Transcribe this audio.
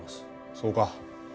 そうか。